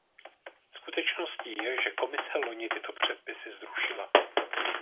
Skutečností je, že Komise loni tyto předpisy zrušila.